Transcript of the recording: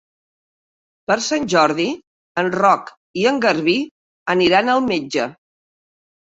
Per Sant Jordi en Roc i en Garbí aniran al metge.